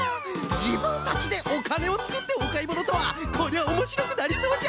じぶんたちでおかねをつくっておかいものとはこりゃおもしろくなりそうじゃ！